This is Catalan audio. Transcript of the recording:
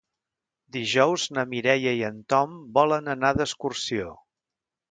Dijous na Mireia i en Tom volen anar d'excursió.